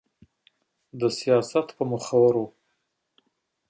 د سياست په مخورو